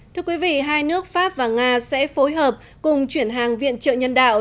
thưa quý vị hai nước pháp và nga sẽ phối hợp cùng chuyển hàng viện trợ nhân đạo